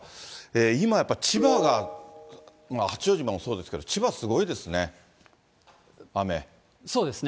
今やっぱり千葉が、八丈島もそうですけど、千葉、すごいですね。